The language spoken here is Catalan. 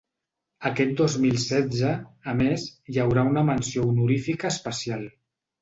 Aquest dos mil setze, a més, hi haurà una menció honorífica especial.